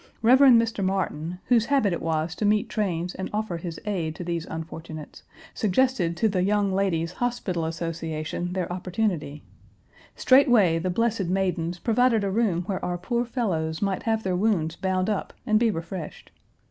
Rev. Mr. Martin, whose habit it was to meet trains and offer his aid to these unfortunates, suggested to the Young Ladies' Hospital Association their opportunity; straightway the blessed maidens provided a room where our poor fellows might have their wounds bound up and be refreshed.